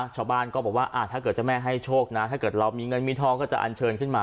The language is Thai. ชาวบ้านก็บอกว่าถ้าเกิดเจ้าแม่ให้โชคนะถ้าเกิดเรามีเงินมีทองก็จะอันเชิญขึ้นมา